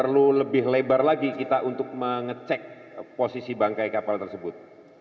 perlu lebih lebar lagi kita untuk mengecek posisi bangkai kapal tersebut